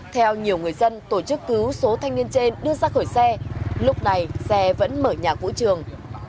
theo nhiều người dân tổ chức cứu số thanh niên trên đưa ra khỏi xe lúc này xe vẫn mở nhà vũ trường